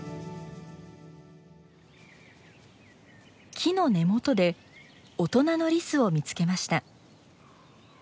木の根元で大人のリスを見つけました。